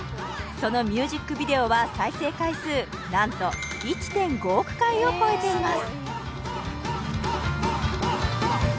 そのミュージックビデオは再生回数何と１．５億回を超えています